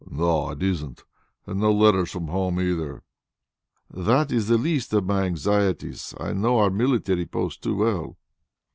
"No, it isn't! And no letters from home either." "That is the least of my anxieties; I know our military post too well."